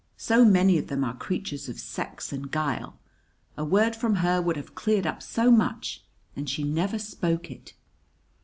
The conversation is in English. So many of them are creatures of sex and guile. A word from her would have cleared up so much, and she never spoke it!